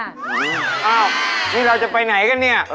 อ้าวนี่เราจะไปไหนกันเนี่ย